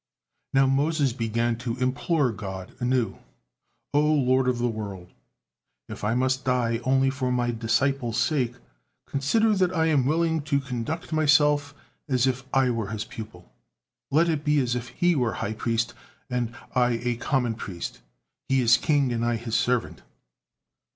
Now Moses began to implore God anew: "O Lord of the world! If I must die only for my disciple's sake, consider that I am willing to conduct myself as if I were his pupil; let it be as if he were high priest, and I a common priest; he is king, and I his servant."